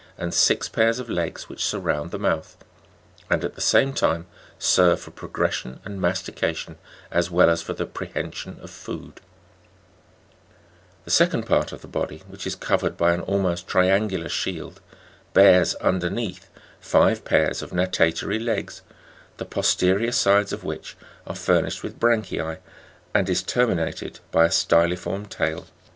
and six pairs of legs which surround the mouth (fig. 68, 6), and at the same time serve for pro gression and mastica tion, as well as for the prehension of food ; the second part of the body, which is covered by an almost triangular shield, bears, underneath, five pairs of natatory legs, the posterior sides of which are furnished with branchice, and is terminated by a styliform tail.